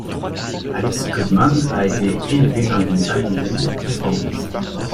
Alice Goodman a été élevée dans une famille juive réformiste.